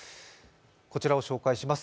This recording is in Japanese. こちらを紹介します。